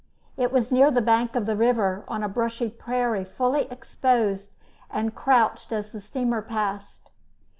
It was near the bank of the river, on a bushy prairie, fully exposed, and crouched as the steamer passed.